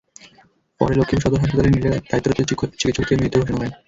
পরে লক্ষ্মীপুর সদর হাসপাতালে নিলে দায়িত্বরত চিকিৎসক তাঁকে মৃত ঘোষণা করেন।